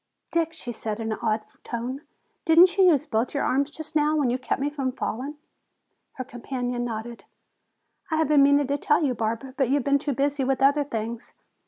"Dick," she said in an awed tone, "didn't you use both your arms just now, when you kept me from falling?" Her companion nodded. "I have been meaning to tell you, Barbara, but you have been too busy with other things.